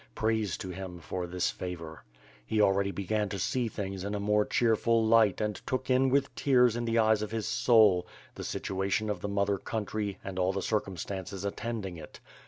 Praise to him for this favor. He already began to see things in a more cheerful light and took in with tears in the eyes of his soul the situation of the mother country and all the circumstances attending it.